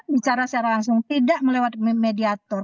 bicara secara langsung tidak melewat mediator